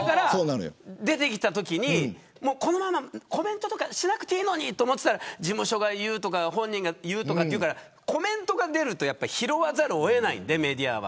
出てきたときにこのままコメントしなくていいのにと思っていたら事務所が言うとか本人が言うってコメントが出ると拾わざるを得ないんでメディアは。